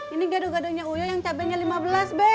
ini gado gadonya uya yang cabenya lima belas be